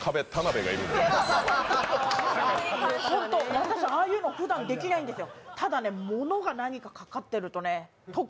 私、ああいうのふだんできないんですよ。